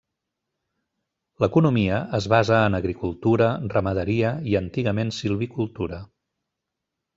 L'economia es basa en agricultura, ramaderia i antigament silvicultura.